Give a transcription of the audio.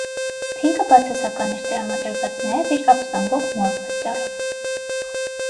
Փինքը բացասական էր տրամադրված նաև իր ապստամբող մոր պատճառով։